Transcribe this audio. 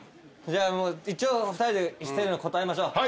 じゃあもう一応２人でせーので答えましょう。